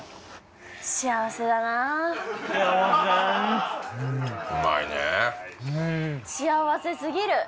幸せうん幸せすぎる